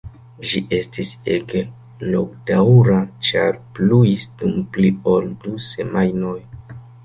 Ĝi estis ege longdaŭra ĉar pluis dum pli ol du semajnoj.